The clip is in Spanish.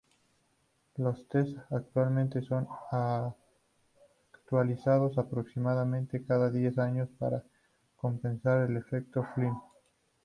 Los tests actualmente son actualizados aproximadamente cada diez años para compensar el efecto Flynn.